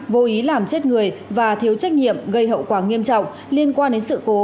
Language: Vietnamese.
vô ý làm chết người và thiếu trách nhiệm gây hậu quả nghiêm trọng liên quan đến sự cố